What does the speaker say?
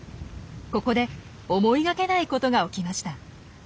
ここで思いがけないことが起きました。